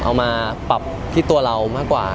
เอามาปรับที่ตัวเรามากกว่า